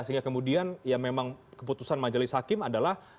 sehingga kemudian ya memang keputusan majelis hakim adalah